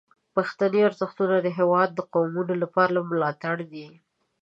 پښتني ارزښتونه د هیواد د قومونو لپاره ملاتړ دي.